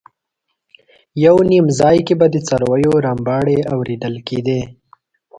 یو نیم ځای کې به د څارویو رمباړې اورېدل کېدې.